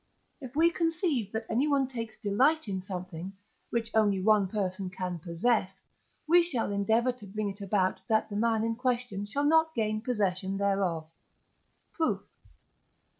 If we conceive that anyone takes delight in something, which only one person can possess, we shall endeavour to bring it about that the man in question shall not gain possession thereof. Proof.